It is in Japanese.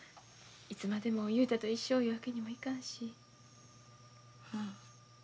いつまでも雄太と一緒いうわけにもいかんし。